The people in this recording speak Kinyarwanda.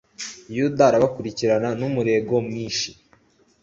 yuda arabakurikirana n'umurego mwinshi